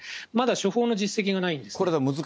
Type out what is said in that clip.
まだ処方の実績がないんですね。